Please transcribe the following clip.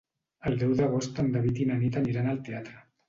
El deu d'agost en David i na Nit aniran al teatre.